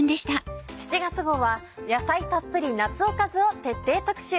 ７月号は「野菜たっぷり夏おかず」を徹底特集。